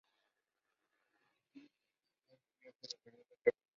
Se titula The Fall largo viaje de regreso a la Tierra.